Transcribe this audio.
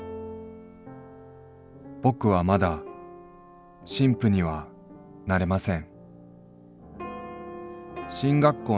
「ぼくはまだ神父にはなれません」。